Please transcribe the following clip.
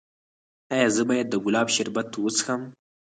ایا زه باید د ګلاب شربت وڅښم؟